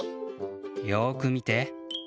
よくみて。